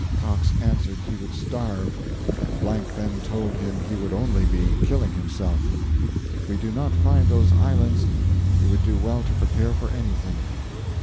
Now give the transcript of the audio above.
Cox answered he would starve.... then told him he would only be killing himself. If we do not find those islands we would do well to prepare for anything.